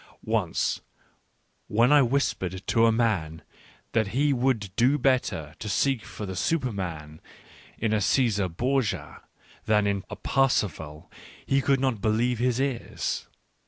Once, when I whispered to a man that he would do better I to seek for the Superman in a Caesar Borgia than in a Parsifal, he could not believe his ears.